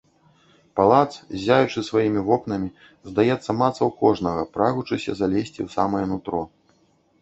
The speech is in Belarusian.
Палац, ззяючы сваімі вокнамі, здаецца, мацаў кожнага, прагучыся залезці ў самае нутро.